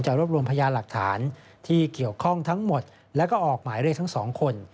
รวบรวมพยานหลักฐานที่เกี่ยวข้องทั้งหมดแล้วก็ออกหมายเรียกทั้งสองคน